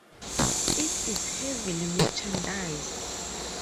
It is heavily mechanized.